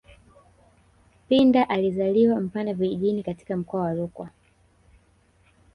Pinda alizaliwa Mpanda vijijini katika mkoa wa Rukwa